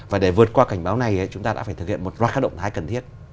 và để vượt qua cảnh báo này chúng ta đã phải thực hiện một loạt các động thái cần thiết